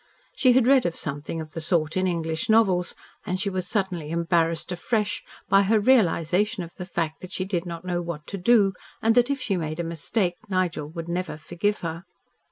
She had read of something of the sort in English novels, and she was suddenly embarrassed afresh by her realisation of the fact that she did not know what to do and that if she made a mistake Nigel would never forgive her.